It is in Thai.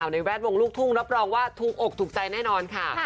ในแวดวงลูกทุ่งรับรองว่าถูกอกถูกใจแน่นอนค่ะ